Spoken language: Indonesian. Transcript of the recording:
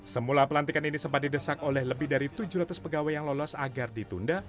semula pelantikan ini sempat didesak oleh lebih dari tujuh ratus pegawai yang lolos agar ditunda